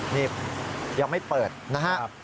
นี่ยังไม่เปิดนะครับ